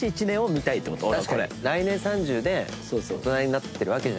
来年３０で大人になってるわけじゃない。